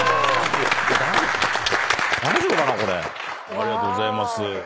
ありがとうございます。